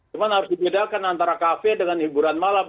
cuma harus dibedakan antara kafe dengan hiburan malam